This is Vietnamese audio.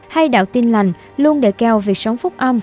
hay đạo tin lành luôn đề cao việc sống phúc âm